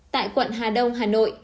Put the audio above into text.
tại quận hà đông hà nội